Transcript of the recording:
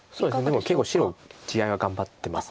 でも結構白地合いは頑張ってます。